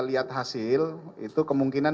lihat hasil itu kemungkinan